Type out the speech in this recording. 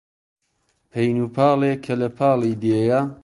پەین و پاڵێ کە لە پاڵی دێیە